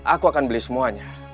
aku akan beli semuanya